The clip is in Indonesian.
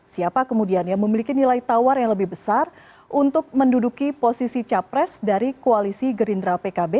siapa kemudian yang memiliki nilai tawar yang lebih besar untuk menduduki posisi capres dari koalisi gerindra pkb